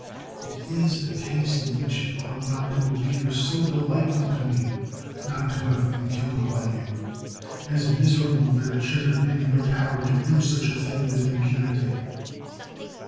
It is a case in which it ought not to appear so delightful to me not to have been killed by you, as misera ble, that it should have been in your power to do such a thing with impunity.